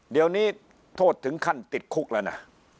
เดี๋ยวนี้โทษถึงขั้นติดคุกแล้วนะ